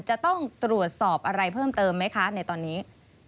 จะต้องตรวจสอบอะไรเพิ่มเติมไหมคะในตอนนี้